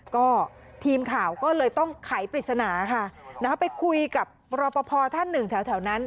ก็ทีมข่าวก็เลยต้องไขปริศนาค่ะไปคุยกับรอปภท่านหนึ่งแถวนั้น